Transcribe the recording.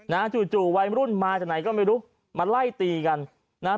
จู่จู่วัยรุ่นมาจากไหนก็ไม่รู้มาไล่ตีกันนะฮะ